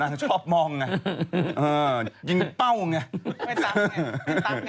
นั่นชอบมองไงเออก็ยิ่งเป้าไง